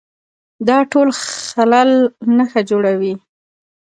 دا ټول خلل نښه جوړوي